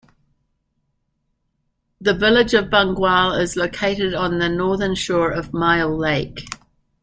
The village of Bungwahl is located on the northern shore of Myall Lake.